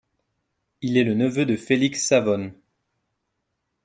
Il est le neveu de Félix Savón.